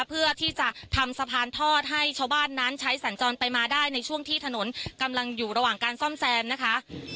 เพื่อที่จะทำสะพานทอดให้ชาวบ้านนั้นใช้สัญจรไปมาได้ในช่วงที่ถนนกำลังอยู่ระหว่างการซ่อมแซมนะคะ